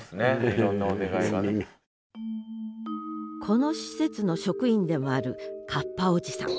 この施設の職員でもあるカッパおじさん。